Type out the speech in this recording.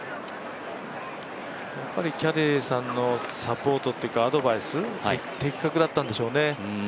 キャディーさんのサポートというかアドバイス、的確だったんでしょうね。